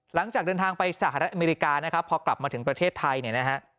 หลังจากเดินทางไปสหรัฐอเมริกานะครับพอกลับมาถึงประเทศไทยเนี่ยนะฮะ